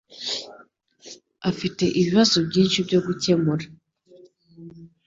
afite ibibazo byinshi byo gukemura.